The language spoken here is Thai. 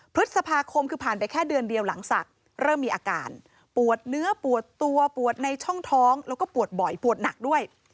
พฤษภาคมคือผ่านไปแค่เดือนเดียวหลังศักดิ์เริ่มมีอาการปวดเนื้อปวดตัวปวดในช่องท้องแล้วก็ปวดบ่อยปวดหนักด้วย